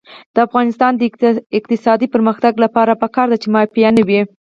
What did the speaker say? د افغانستان د اقتصادي پرمختګ لپاره پکار ده چې مافیا نه وي.